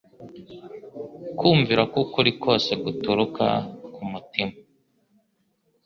Kumvira k'ukuri kose guturuka ku mutima.